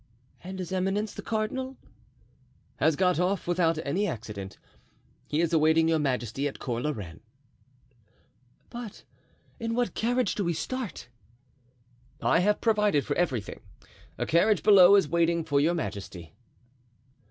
"And his eminence, the cardinal?" "Has got off without any accident. He is awaiting your majesty at Cours la Reine." "But in what carriage do we start?" "I have provided for everything; a carriage below is waiting for your majesty."